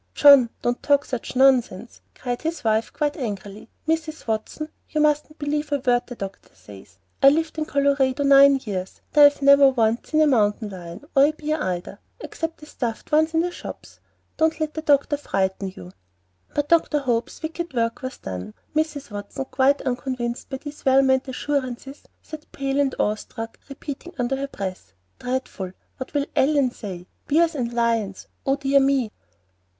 "John, don't talk such nonsense," cried his wife, quite angrily. "Mrs. Watson, you mustn't believe a word the doctor says. I've lived in Colorado nine years; and I've never once seen a mountain lion, or a bear either, except the stuffed ones in the shops. Don't let the doctor frighten you." But Dr. Hope's wicked work was done. Mrs. Watson, quite unconvinced by these well meant assurances, sat pale and awe struck, repeating under her breath, "Dreadful! What will Ellen say? Bears and lions! Oh, dear me!"